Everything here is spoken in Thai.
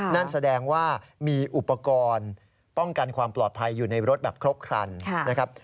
นั่นแสดงว่ามีอุปกรณ์ป้องกันความปลอดภัยอยู่ในรถแบบครบครันนะครับ